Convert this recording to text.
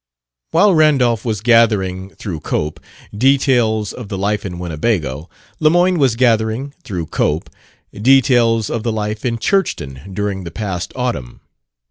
While Randolph was gathering (through Cope) details of the life in Winnebago, Lemoyne was gathering (through Cope) details of the life in Churchton during the past autumn.